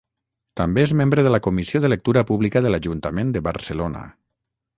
També és membre de la Comissió de Lectura Pública de l'Ajuntament de Barcelona.